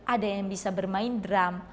ada yang bisa bermain drum